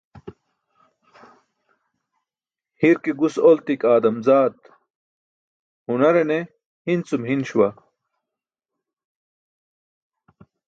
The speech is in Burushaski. Hir ke gus oltik aadam zaat, hunare ne hin cum hin śuwa.